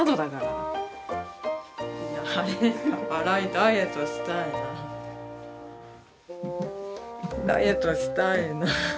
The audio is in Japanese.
「ダイエットしたいな」。「ダイエットしたいな」。